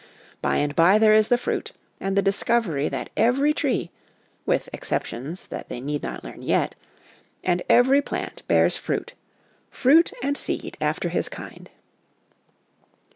By and by there is the fruit, and the discovery that every tree with exceptions which they need not learn yet and every plant bears fruit, ' fruit and seed after his kind.'